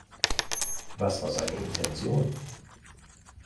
Was war seine Intention?